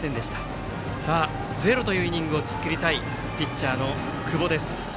ゼロというイニングを作りたいピッチャーの久保。